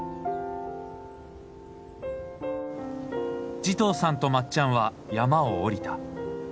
慈瞳さんとまっちゃんは山を下りた。